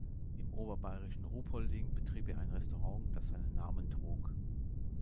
Im oberbayrischen Ruhpolding betrieb er ein Restaurant, das seinen Namen trug.